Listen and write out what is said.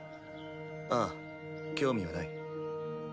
ああ興味はない。